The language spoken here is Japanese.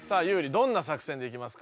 どんな作戦でいきますか？